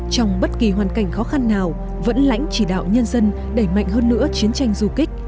trong bất kỳ hoàn cảnh khó khăn nào vẫn lãnh chỉ đạo nhân dân đẩy mạnh hơn nữa chiến tranh du kích